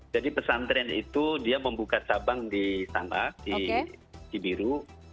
jadi pesantren itu dia membuka cabang di sana di kibiru